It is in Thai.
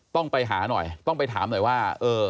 ต้องไปหาหน่อยต้องไปถามหน่อยว่า